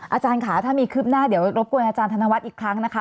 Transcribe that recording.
อาจารย์ค่ะถ้ามีคืบหน้าเดี๋ยวรบกวนอาจารย์ธนวัฒน์อีกครั้งนะคะ